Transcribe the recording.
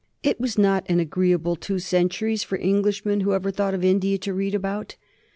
It was not an agreeable two centuries for Englishmen who ever thought of India to read about.